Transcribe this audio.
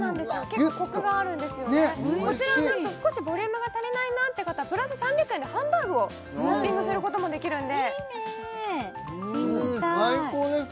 結構コクがあるんですよねギュッとねっこちらはなんと少しボリュームが足りないなって方プラス３００円でハンバーグをトッピングすることもできるんでいいねトッピングしたいうん最高です